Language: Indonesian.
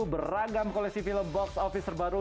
beragam koleksi film box office terbaru